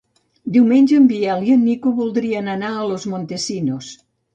Diumenge en Biel i en Nico voldrien anar a Los Montesinos.